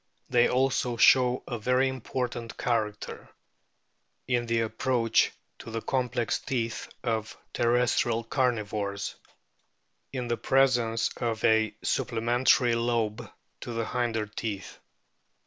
They also show a very important character (in the approach to the complex teeth of terrestrial carnivores) in the presence of a supple mentary lobe to the hinder teeth.